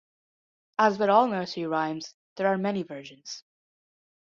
As with all nursery rhymes, there are many versions.